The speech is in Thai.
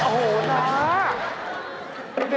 โอ้โฮนะ